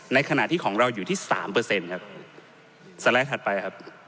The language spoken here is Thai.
ในขณะที่ของเราอยู่ที่สามเปอร์เซ็นต์ครับสไลด์ถัดไปครับ